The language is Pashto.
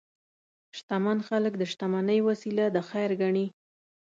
شتمن خلک د شتمنۍ وسیله د خیر ګڼي.